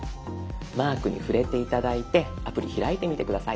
マークに触れて頂いてアプリ開いてみて下さい。